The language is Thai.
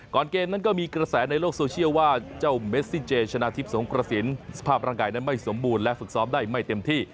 เกมนั้นก็มีกระแสในโลกโซเชียลว่าเจ้าเมซิเจชนะทิพย์สงกระสินสภาพร่างกายนั้นไม่สมบูรณ์และฝึกซ้อมได้ไม่เต็มที่